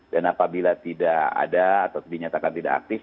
dan apabila tidak ada atau dinyatakan tidak aktif